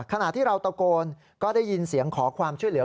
ขณะที่เราตะโกนก็ได้ยินเสียงขอความช่วยเหลือ